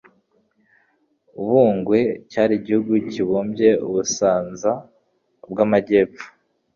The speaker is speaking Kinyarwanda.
U Bungwe cyari igihugu kibumbye u Busanza bw'Amajyepfo